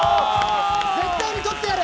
絶対にとってやる！